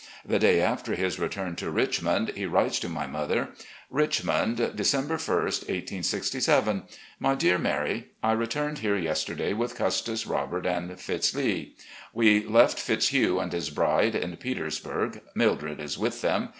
The day after his retturn to Richmond he writes to my mother: "Richmond, December i, 1867. " My Dear Mary: I returned here yesterday with Custis, Robert, and Fitz. Lee. We left Fitzhugh and his bride in Petersburg. Mildred is with them.